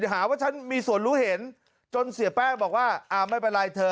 หาว่าฉันมีส่วนรู้เห็นจนเสียแป้งบอกว่าไม่เป็นไรเธอ